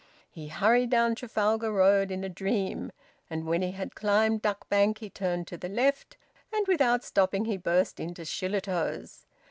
He hurried down Trafalgar Road in a dream. And when he had climbed Duck Bank he turned to the left, and without stopping he burst into Shillitoe's.